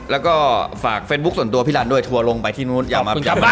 แล้วก็ฝากเฟซบุ๊คส่วนตัวพี่รันด้วยทัวร์ลงไปที่นู้นอย่ามา